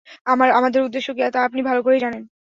আমাদের উদ্দেশ্য কি, তা আপনি ভাল করেই জানেন।